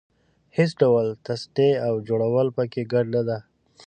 هېڅ ډول تصنع او جوړول په کې ګډه نه ده.